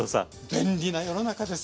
便利な世の中です。